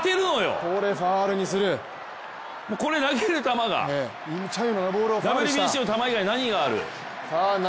これファウルにする投げる球が、ＷＢＣの球以外、何がある。